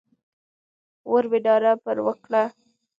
مور یې ناره پر وکړه.